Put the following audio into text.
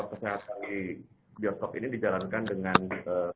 kesehatan bioskop ini dijalankan dengan baik gitu kan